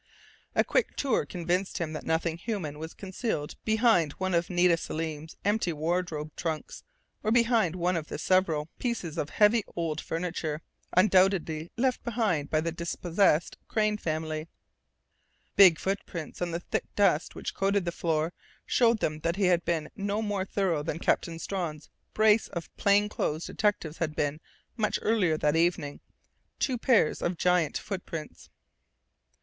A quick tour convinced him that nothing human was concealed behind one of Nita Selim's empty wardrobe trunks, or behind one of the several pieces of heavy old furniture, undoubtedly left behind by the dispossessed Crain family. Big footprints on the thick dust which coated the floor showed him that he was being no more thorough than Captain Strawn's brace of plainclothes detectives had been much earlier that evening. Two pairs of giant footprints....